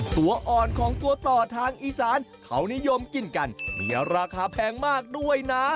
ตัวอ่อนของตัวต่อทางอีสานเขานิยมกินกันมีราคาแพงมากด้วยนะ